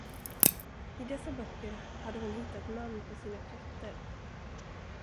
I dessa böcker hade hon hittat namn på sina katter.